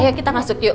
ayo kita masuk yuk